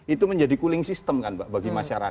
itu menjadi cooling system kan pak bagi masyarakat